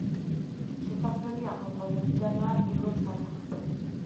შესასვლელი აღმოსავლეთიდანაა, პირველ სართულზე.